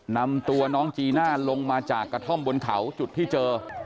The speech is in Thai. นำตัวน้องจีน่าลงมาจากกระท่อมบนเขาจุดที่เจอ